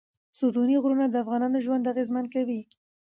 ستوني غرونه د افغانانو ژوند اغېزمن کوي.